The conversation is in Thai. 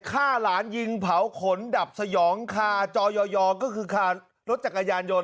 ฆ่าหลานยิงเผาขนดับสยองคาจอยอยอก็คือคารถจักรยานยนต